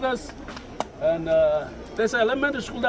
dan dari sekolah spese x wrong